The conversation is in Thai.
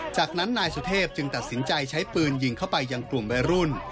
จากนั้นนายสุเทพจึงตัดสินใจใช้ปืนยิงเข้าไปยังกลุ่มวัยรุ่น